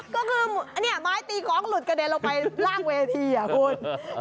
ก็คือเนี่ยไม้ตีคล้องหลุดกระเด็นขึ้นออกไปรั่งเวที่อ่ะคุณ